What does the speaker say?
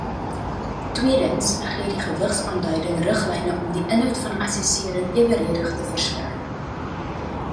Tweedens gee die gewigsaanduiding riglyne om die inhoud van assessering eweredig te versprei.